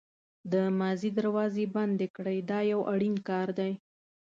د ماضي دروازې بندې کړئ دا یو اړین کار دی.